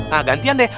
nah gantian deh